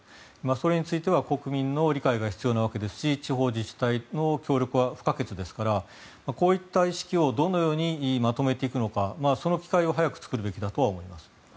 それについては国民の理解が必要なわけですし地方自治体の協力は不可欠ですからこういった意識をどのようにまとめていくのかその機会を早く作るべきだとは思います。